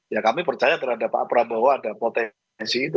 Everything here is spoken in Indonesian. ya kami percaya terhadap pak prabowo ada potensi itu